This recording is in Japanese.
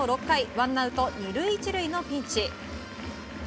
ワンアウト２塁１塁のピンチ。